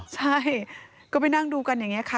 ใช่ก็ไปนั่งดูกันอย่างนี้ค่ะ